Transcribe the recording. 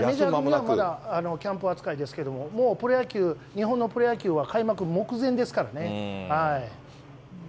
メジャー組はまだキャンプ扱いですけど、日本のプロ野球は開幕目前ですからね。